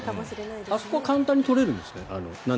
あそこ、鍬形簡単に取れるんですね。